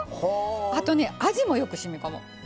あとね、味もよくしみこむ。